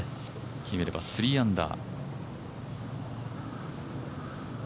決めれば３アンダー。